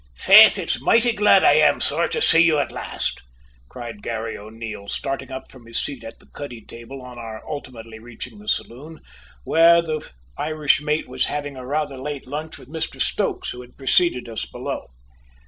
"Faith, it's moighty glad I am, sor, to say you at last!" cried Garry O'Neil, starting up from his seat at the cuddy table, on our ultimately reaching the saloon, where the Irish mate was having a rather late lunch with Mr Stokes, who had preceded us below.